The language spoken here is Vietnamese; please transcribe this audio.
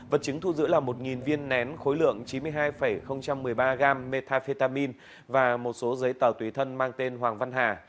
vật chứng thu giữ là một viên nén khối lượng chín mươi hai một mươi ba g metafetamine và một số giấy tờ tùy thân mang tên hoàng văn hà